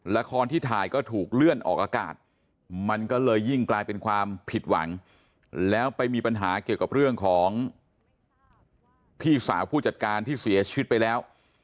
ละครที่ถ่ายก็ถูกเลื่อนออกอากาศมันก็เลยยิ่งกลายเป็นความผิดหวังแล้วไปมีปัญหาเกี่ยวกับเรื่องของพี่สาวผู้จัดการที่เสียชีวิตไปแล้ว